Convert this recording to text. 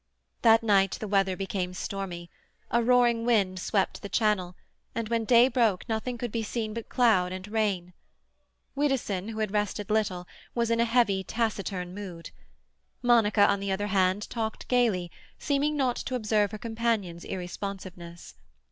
That night the weather became stormy; a roaring wind swept the Channel, and when day broke nothing could be seen but cloud and rain. Widdowson, who had rested little, was in a heavy, taciturn mood; Monica, on the other hand, talked gaily, seeming not to observe her companion's irresponsiveness.